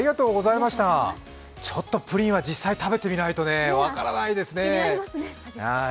ちょっとプリンは実際食べてみないと分からないですね。